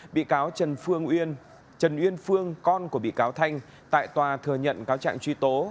bị cáo trần uyên phương con của bị cáo thanh tại tòa thừa nhận cáo trạng truy tố